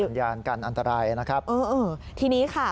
สัญญาณกันอันตรายนะครับเออทีนี้ค่ะ